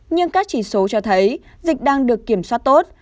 nhưng các chỉ số cho thấy dịch đang được kiểm soát tốt